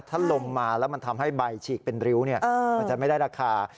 ถ้าลงมาแล้วมันทำให้ใบฉีกเป็นริ้วมันจะไม่ได้ราคา